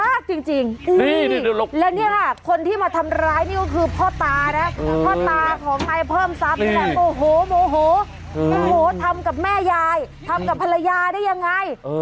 ลากจริงและนี่ค่ะคนที่มาทำร้ายนี่ก็คือพ่อตานะพ่อตาของให้เพิ่มทรัพย์โอ้โหทำกับแม่ยายทำกับภรรยาได้ยังไง